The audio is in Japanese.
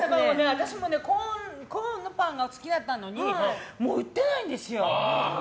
私もコーンのパンが好きだったのにもう売ってないんですよ。